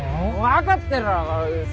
分かってるよ。